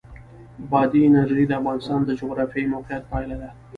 بادي انرژي د افغانستان د جغرافیایي موقیعت پایله ده.